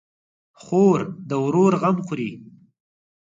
خور د ورور غم خوري.